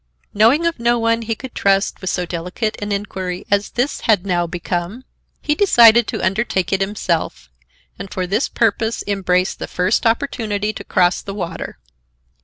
Knowing of no one he could trust with so delicate an inquiry as this had now become, he decided to undertake it himself, and for this purpose embraced the first opportunity to cross the water.